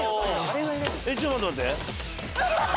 ちょっと待って待って。